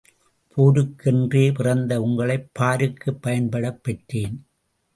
போருக்கு என்றே பிறந்த உங்களைப் பாருக்குப் பயன்படப் பெற்றேன்.